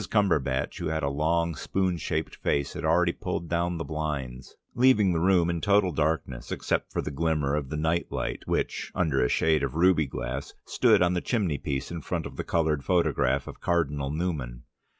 Cumberbatch who had a long spoon shaped face, had already pulled down the blinds, leaving the room in total darkness except for the glimmer of the night light which, under a shade of ruby glass, stood on the chimneypiece in front of the coloured photograph of Cardinal Newman.